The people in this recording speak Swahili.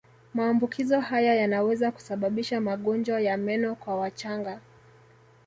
Maambukizo haya yanaweza kusababisha magonjwa ya meno kwa wachanga